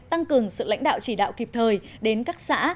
tăng cường sự lãnh đạo chỉ đạo kịp thời đến các xã